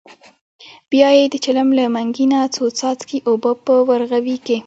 بیا یې د چلم له منګي نه څو څاڅکي اوبه په ورغوي کې.